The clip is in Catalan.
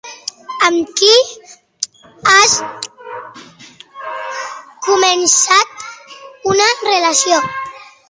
Amb qui ha començat una relació.